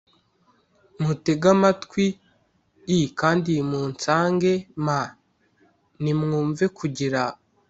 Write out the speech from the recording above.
Mutege amatwi l kandi munsange m nimwumve kugira